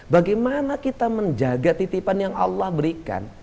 bagaimana kita menjaga titipan yang allah berikan